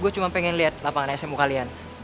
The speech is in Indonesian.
gue cuma pengen lihat lapangan smu kalian